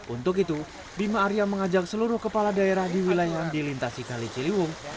untuk itu bima arya mengajak seluruh kepala daerah di wilayah yang dilintasi kali ciliwung